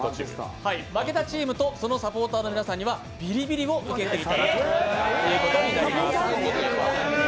負けたチームとそのサポーターの皆さんにはビリビリを受けていただくということになります。